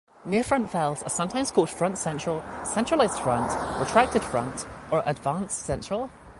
Near-front vowels are sometimes called front-central, centralized front, retracted front or advanced central.